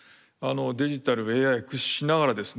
デジタルＡＩ駆使しながらですね